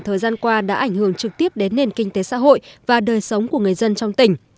thời gian qua đã ảnh hưởng trực tiếp đến nền kinh tế xã hội và đời sống của người dân trong tỉnh